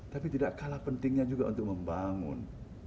tapi tidak kalah pentingnya juga untuk membangun